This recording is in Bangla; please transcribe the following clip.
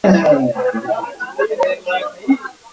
তিনি শিষ্যদের শিক্ষাদানের উদ্দেশ্যে নিজের বাড়িতে একটি টোল খোলেন।